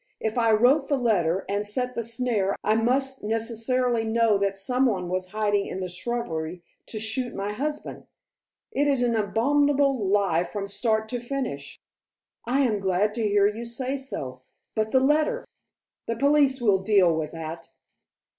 "If I wrote the letter, and set the snare, I must necessarily know that some one was hiding in the shrubbery to shoot my husband. It is an abominable lie from start to finish." "I am glad to hear you say so. But the letter?" "The police will deal with that."